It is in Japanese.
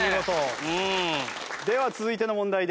では続いての問題です。